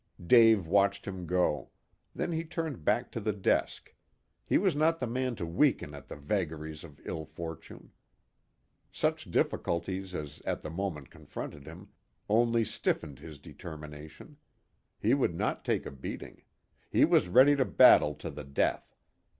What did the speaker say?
Dave watched him go. Then he turned back to the desk. He was not the man to weaken at the vagaries of ill fortune. Such difficulties as at the moment confronted him only stiffened his determination. He would not take a beating. He was ready to battle to the death.